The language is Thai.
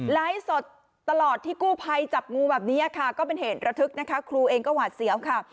ไลฟ์สดตลอดที่กู้ภัยจับงูแบบนี้ค่ะก็เป็นเหตุระทึกนะคะครูเองก็หวาดเสียวค่ะ